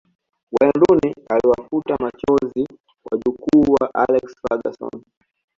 Wayne Rooney aliwafuta machozi wajukuu wa Alex Ferguson